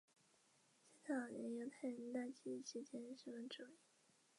加勒比海的气候受到墨西哥湾暖流及秘鲁寒流等洋流的影响。